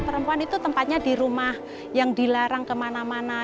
perempuan itu tempatnya di rumah yang dilarang kemana mana